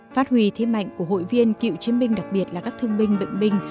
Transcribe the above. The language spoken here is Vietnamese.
phát huy thế mạnh của hội viên cựu chiến binh đặc biệt là các thương binh bệnh binh